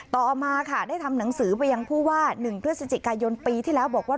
ต่อมาค่ะได้ทำหนังสือไปยังผู้ว่า๑พฤศจิกายนปีที่แล้วบอกว่า